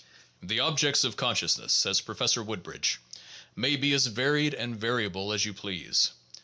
"The objects of consciousness," says Professor Woodbridge, "may be as varied and variable as you please.